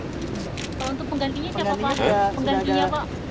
kalau untuk penggantinya siapa pak penggantinya pak